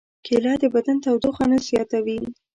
کېله د بدن تودوخه نه زیاتوي.